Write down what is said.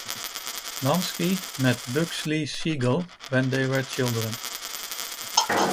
Lansky met Bugsy Siegel when they were children.